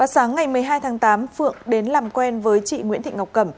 sáng ngày một mươi hai tháng tám phượng đến làm quen với chị nguyễn thị ngọc cẩm